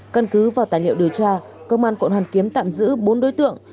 căn cứ vào tài liệu điều tra công an quận hoàn kiếm tạm giữ bốn đối tượng